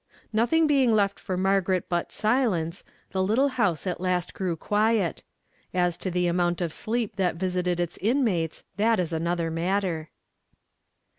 Nothing being left for Margaret but silence, the little house at last grew quiet. As to the amount of sleep that visited its inmates, that is another matter.